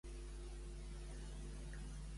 Què va ocórrer quan va morir Aeb?